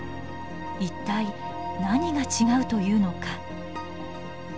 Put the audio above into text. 一体何が違うというのか。